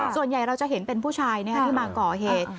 ส่วนใหญ่เราจะเห็นเป็นผู้ชายที่มาก่อเหตุ